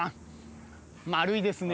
丸いですね。